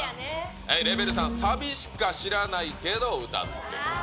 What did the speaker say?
レベル３、サビしか知らないけど歌う。